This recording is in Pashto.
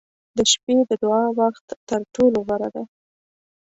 • د شپې د دعا وخت تر ټولو غوره دی.